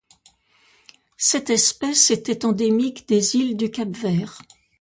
Cette espèce était endémique des îles du Cap-Vert.